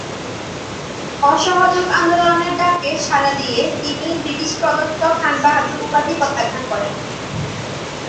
অসহযোগ আন্দোলনের ডাকে সাড়া দিয়ে তিনি বৃটিশ প্রদত্ত ‘খান বাহাদুর’ উপাধি প্রত্যাখান করেন।